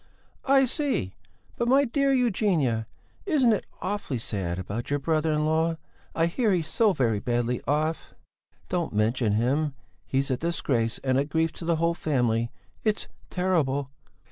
"I see! But, my dear Eugenia, isn't it awfully sad about your brother in law? I hear he's so very badly off." "Don't mention him! He's a disgrace and a grief to the whole family! It's terrible!"